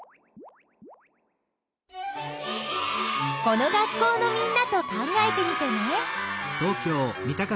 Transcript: この学校のみんなと考えてみてね。